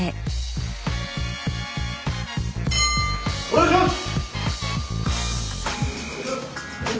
お願いします！